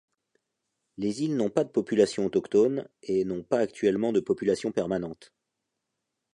Les îles n'ont pas de population autochtone, et n’ont pas actuellement de population permanente.